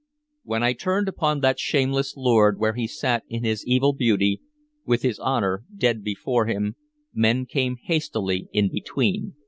When I turned upon that shameless lord where he sat in his evil beauty, with his honor dead before him, men came hastily in between.